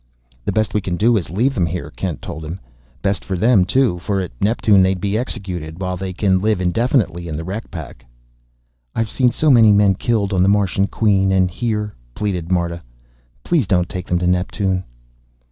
"The best we can do is leave them here," Kent told him. "Best for them, too, for at Neptune they'd be executed, while they can live indefinitely in the wreck pack." "I've seen so many men killed on the Martian Queen and here," pleaded Marta. "Please don't take them to Neptune."